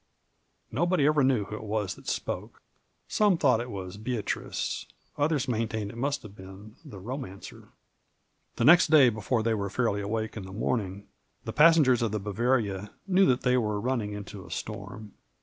Kobody ever knew wbo it was tbat spoke: some tbougbt it was Beatrice^ otbers maintained it must bave been tbe Bomancer. Tbe next day, before tbey were fairly awake in tbe morning, tbe passengers of tbe JBa/varia knew tbat tbey were running into a storm.